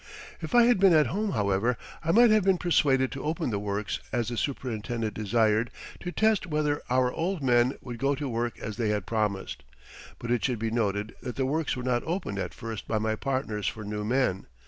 If I had been at home, however, I might have been persuaded to open the works, as the superintendent desired, to test whether our old men would go to work as they had promised. But it should be noted that the works were not opened at first by my partners for new men.